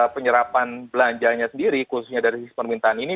penerapan belanjanya sendiri khususnya dari sisi pemerintahan ini